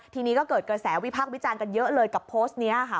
ทีนี้ก็เกิดกระแสวิพักษ์วิจารณ์กันเยอะเลยกับโพสต์นี้ค่ะ